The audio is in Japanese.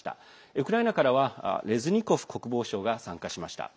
ウクライナからはレズニコフ国防相が参加しました。